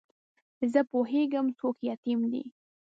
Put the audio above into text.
زه پوهېږم څوک یتیم دی.